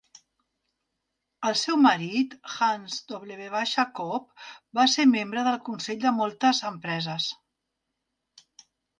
El seu marit, Hans W. Koop va ser membre del consell de moltes empreses.